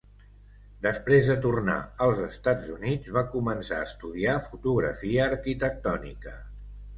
Després de tornar als Estats Units, va començar a estudiar fotografia arquitectònica.